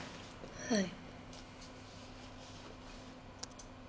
はい。